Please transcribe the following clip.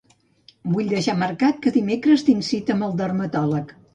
Vull deixar marcat que dimecres tinc cita amb el dermatòleg.